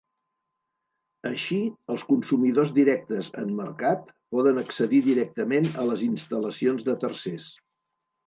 Així, els consumidors directes en mercat poden accedir directament a les instal·lacions de tercers.